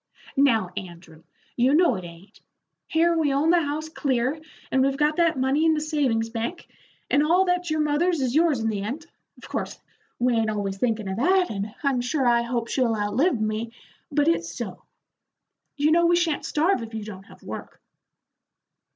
"Now, Andrew, you know it ain't. Here we own the house clear, and we've got that money in the savings bank, and all that's your mother's is yours in the end. Of course we ain't always thinkin' of that, and I'm sure I hope she'll outlive me, but it's so. You know we sha'n't starve if you don't have work."